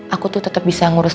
aku tuh tetap bisa ngurus